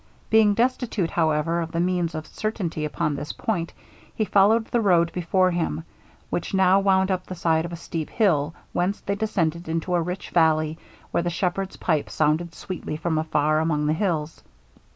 Being destitute, however, of the means of certainty upon this point, he followed the road before him, which now wound up the side of a steep hill, whence they descended into a rich valley, where the shepherd's pipe sounded sweetly from afar among the hills.